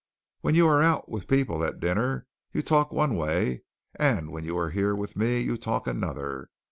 When you are out with people at dinner, you talk one way, and when you are here with me, you talk another.